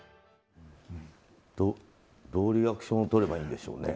どうリアクションをとればいいんでしょうね。